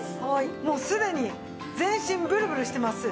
もうすでに全身ブルブルしてます。